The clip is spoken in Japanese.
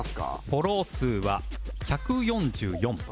フォロー数は１４４